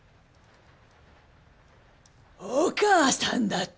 お母さんだって？